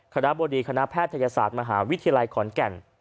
คณะบดีคณะแพทยศาสตร์มหาวิทยาลัยขอนแก่น